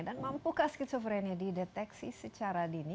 dan mampukah skizofrenia dideteksi secara dini